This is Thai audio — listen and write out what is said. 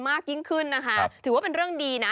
มากยิ่งขึ้นนะคะถือว่าเป็นเรื่องดีนะ